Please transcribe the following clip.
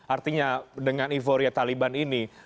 artinya dengan euforia taliban ini